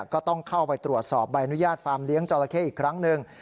ก็ต้องเข้าไปตรวจสอบใบอนุญาตฟาร์มเลี้ยงจราเข้อีกครั้งหนึ่ง